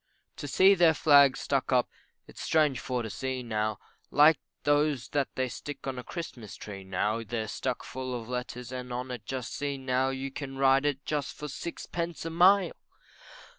To see their Flags stuck up, it's strange for to see now, Like those that they stick on a Christmas tree, now, They're stuck full of letters and on it just see now, You can ride just for sixpence a mile!